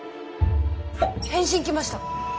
返信来ました！